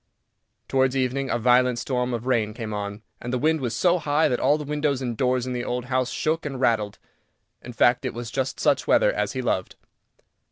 Towards evening a violent storm of rain came on, and the wind was so high that all the windows and doors in the old house shook and rattled. In fact, it was just such weather as he loved.